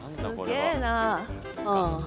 すげえな。